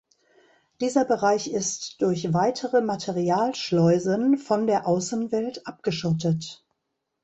Dieser Bereich ist durch weitere Material-Schleusen von der Außenwelt abgeschottet.